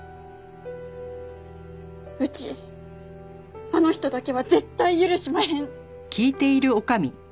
うちあの人だけは絶対許しまへん！